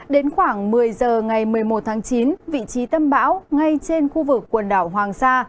đến khoảng một mươi h ngày một mươi một tháng chín vị trí tâm bão ngay trên khu vực quần đảo hoàng sa